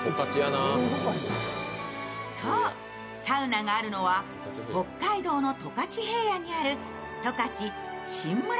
そう、サウナがあるのは北海道の十勝平野にある十勝しんむら